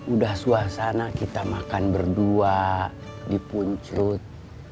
udah suasana kita makan berdua di puncut